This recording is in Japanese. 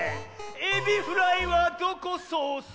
エビフライはどこソース？